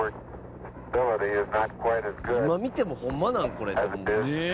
今見ても「ホンマなん？これ」って。ねえ。